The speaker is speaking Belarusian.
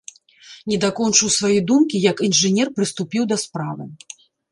Не дакончыў свае думкі, як інжынер прыступіў да справы.